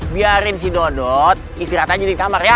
biarin si dodot istirahat aja di kamar ya